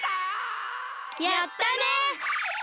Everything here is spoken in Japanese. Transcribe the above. やったね！